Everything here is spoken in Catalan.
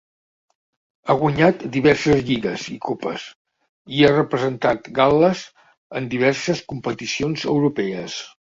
Ha guanyat diverses lligues i copes, i ha representat Gal·les en diverses competicions europees.